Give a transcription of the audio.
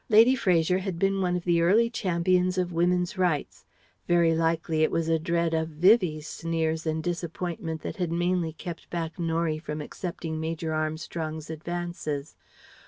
Lady Fraser had been one of the early champions of Woman's rights. Very likely it was a dread of Vivie's sneers and disappointment that had mainly kept back Norie from accepting Major Armstrong's advances.